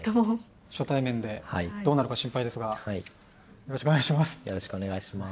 初対面でどうなるか心配ですがよろしくお願いします。